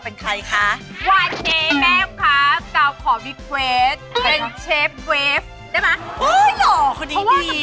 โอ้ยใบจัดให้